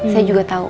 saya juga tau